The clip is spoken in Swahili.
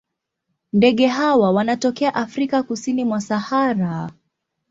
Ndege hawa wanatokea Afrika kusini mwa Sahara.